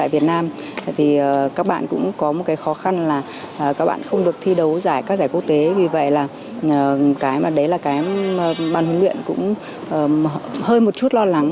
vì vậy là cái mà đấy là cái mà bàn huyền luyện cũng hơi một chút lo lắng